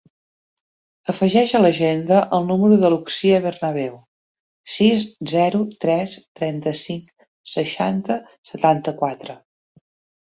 Afegeix a l'agenda el número de l'Uxia Bernabeu: sis, zero, tres, trenta-cinc, seixanta, setanta-quatre.